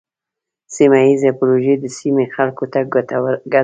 سیمه ایزې پروژې د سیمې خلکو ته ګټه رسوي.